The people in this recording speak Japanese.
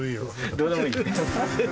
どうでもいい。